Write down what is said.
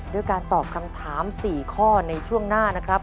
ด้วยการตอบคำถาม๔ข้อในช่วงหน้านะครับ